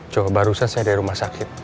coba barusan saya dari rumah sakit